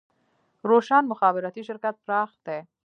روشن مخابراتي شرکت پراخ دی